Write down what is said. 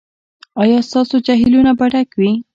ایا ستاسو جهیلونه به ډک وي؟